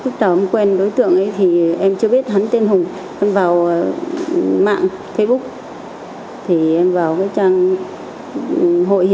cảm ơn các bạn đã theo dõi